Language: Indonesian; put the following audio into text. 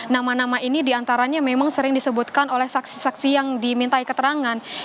nama nama ini diantaranya memang sering disebutkan oleh saksi saksi yang dimintai keterangan